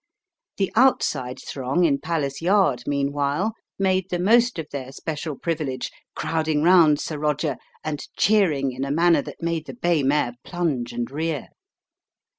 The outside throng in Palace Yard, meanwhile, made the most of their special privilege, crowding round "Sir Roger" and cheering in a manner that made the bay mare plunge and rear.